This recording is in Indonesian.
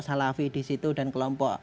salafi di situ dan kelompok